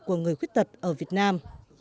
của người khuyết tật ở việt nam